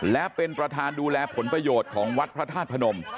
และเป็นประธานดูแลผลประโยชน์ของวัดพระธาตุพนม